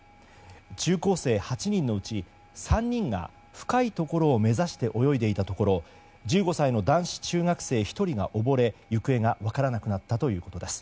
中高生８人のうち３人が深いところを目指して泳いでいたところ１５歳の男子中学生１人が溺れ行方が分からなくなったということです。